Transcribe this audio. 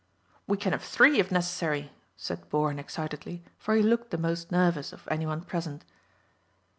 "We can have three if necessary," said Bourne excitedly, for he looked the most nervous of any one present.